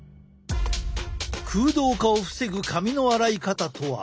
空洞化を防ぐ髪の洗い方とは？